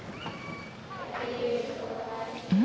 うん？